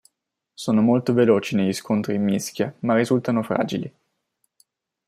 Sono molto veloci negli scontri in mischia ma risultano fragili.